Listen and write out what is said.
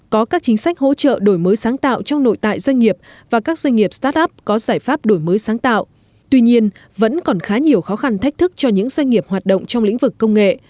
có các chính sách hỗ trợ đổi mới sáng tạo trong nội tại doanh nghiệp và các doanh nghiệp start up có giải pháp đổi mới sáng tạo tuy nhiên vẫn còn khá nhiều khó khăn thách thức cho những doanh nghiệp hoạt động trong lĩnh vực công nghệ